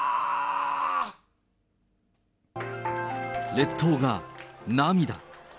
列島が涙。